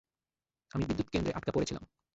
আমি বিদ্যুৎ কেন্দ্রে আটকা পড়েছিলাম।